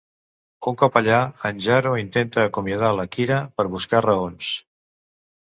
Un cop allà, en Jaro intenta acomiadar la Kira per buscar-raons.